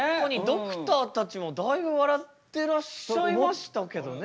ドクターたちもだいぶ笑ってらっしゃいましたけどね。